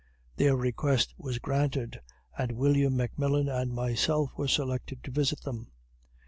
Their request was granted, and William McMillan and myself were selected to visit them.